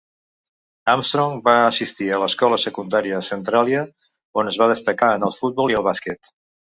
Armstrong va assistir a l'escola secundària Centralia, on es va destacar en el futbol i el bàsquet.